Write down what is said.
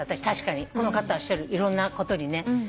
確かにこの方がおっしゃるいろんなことにね。